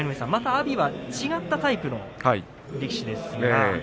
阿炎は違ったタイプの力士です。